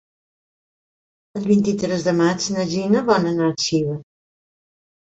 El vint-i-tres de maig na Gina vol anar a Xiva.